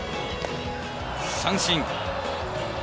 三振。